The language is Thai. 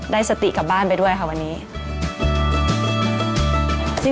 ได้สติกลับบ้านไปด้วยค่ะวันนี้